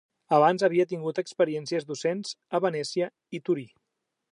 Abans havia tingut experiències docents a Venècia i Torí.